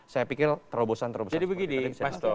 saya pikir terobosan terobosan seperti itu yang bisa diaturkan